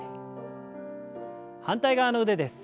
反対側の腕です。